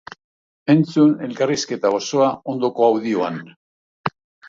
Entzun elkarrizketa osoa ondoko audioan!